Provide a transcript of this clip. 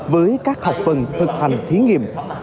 với các học phần thực hành thiên nghiệm